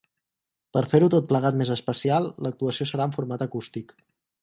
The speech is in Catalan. Per fer-ho tot plegat més especial, l’actuació serà en format acústic.